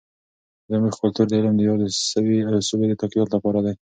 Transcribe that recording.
زموږ کلتور د علم د یادو سوي اصولو د تقویت لپاره دی.